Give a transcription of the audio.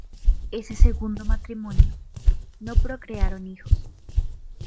Ese segundo matrimonio, no procrearon hijos.